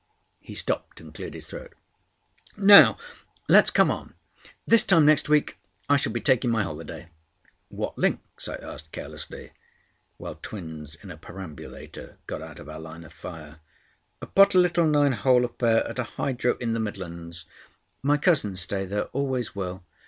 He stopped and cleared his throat. "Now, let's come on! This time next week I shall be taking my holiday." "What links?" I asked carelessly, while twins in a perambulator got out of our line of fire. "A potty little nine hole affair at a hydro in the Midlands. My cousins stay there. Always will.